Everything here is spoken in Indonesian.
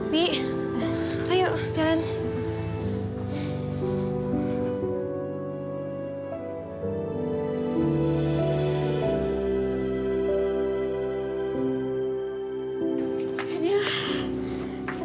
nungguin dia anx erste aja